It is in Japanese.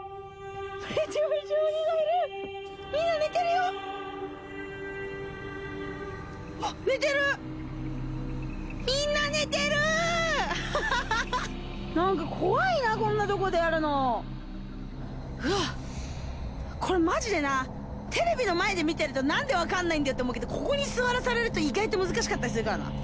めちゃめちゃ鬼がいるあっ寝てるみんな寝てる何かわっこれマジでなテレビの前で見てると何で分かんないんだよって思うけどここに座らされると意外と難しかったりするからな